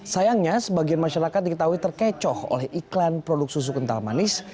sayangnya sebagian masyarakat diketahui terkecoh oleh iklan produk susu kental manis